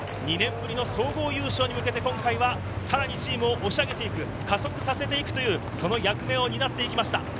２年ぶりの総合優勝に向けて今回はさらにチームを押し上げていく、加速させていくというその役目を担っていきました。